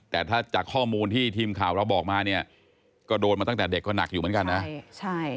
แต่ถ้าจากข้อมูลที่ทีมข่าวเราบอกมาเนี่ยก็โดนมาตั้งแต่เด็กก็หนักอยู่เหมือนกันนะ